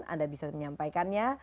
anda bisa menyampaikannya